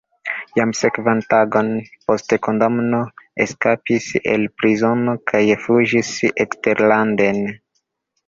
Jam sekvan tagon post kondamno eskapis el prizono kaj fuĝis eksterlanden.